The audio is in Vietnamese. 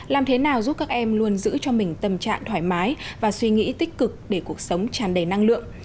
làm thế nào giúp các em luôn giữ cho mình tâm trạng thoải mái và suy nghĩ tích cực để cuộc sống tràn đầy năng lượng